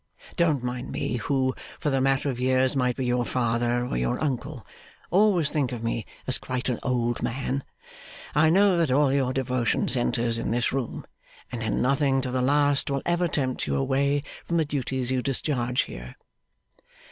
Don't mind me, who, for the matter of years, might be your father or your uncle. Always think of me as quite an old man. I know that all your devotion centres in this room, and that nothing to the last will ever tempt you away from the duties you discharge here.